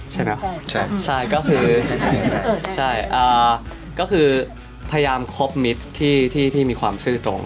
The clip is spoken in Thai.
ใช่ไหมใช่ก็คือใช่ก็คือพยายามครบมิตรที่มีความซื่อตรง